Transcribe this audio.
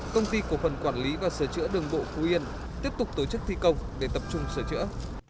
công ty cổ phần quản lý và sửa chữa đường bộ phú yên tiếp tục tổ chức thi công để tập trung sửa chữa